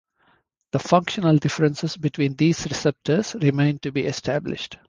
The functional differences between these receptors remain to be established.